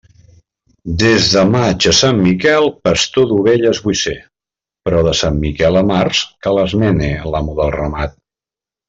Des de maig a Sant Miquel, pastor d'ovelles vull ser; però de Sant Miquel a març, que les mene l'amo del ramat.